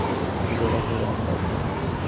সে কোরাসে গান গাইত!